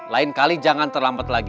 lain kali jangan terlambat lagi